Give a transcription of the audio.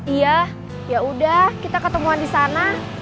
iya yaudah kita ketemuan disana